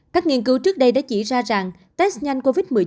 các nghiên cứu trước đây đã chỉ ra rằng test nhanh covid một mươi chín